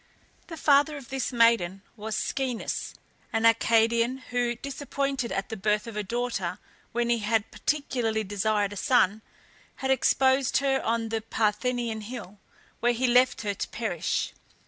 The father of this maiden was Schoeneus, an Arcadian, who, disappointed at the birth of a daughter when he had particularly desired a son, had exposed her on the Parthenian Hill, where he left her to perish.